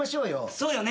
そうよね。